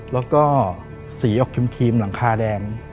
แล้วก็สีออกครีมหลังคาแดง